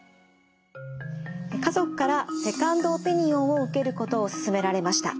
「家族からセカンドオピニオンを受けることを勧められました。